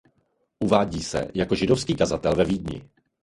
Uvádí se jako židovský kazatel ve Vídni.